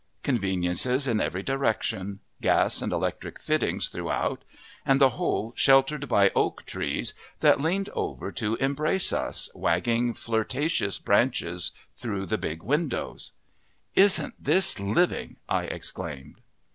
Conveniences in every direction, gas and electric fittings throughout. And the whole sheltered by oak trees that leaned over to embrace us, wagging flirtatious branches through the big windows. "Isn't this living!" I exclaimed.